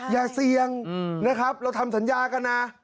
อย่าเสี่ยงนะครับเราทำสัญญากันนะ